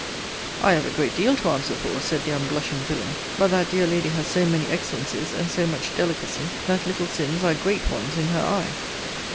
I have a great deal to answer for, said the unblushing villain: but that dear lady has so many excellencies, and so much delicacy, that little sins are great ones in her eye.